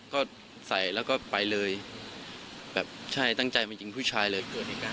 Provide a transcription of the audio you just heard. เนี่ยเคยสัยแล้วก็ไปเลยแบบใช่ตั้งใจมาชิงผู้ชายเลย